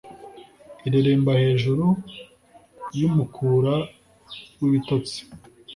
ireremba hejuru yumukara wibitotsi